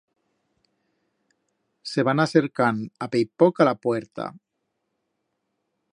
Se va anar acercand a peipoc a la puerta.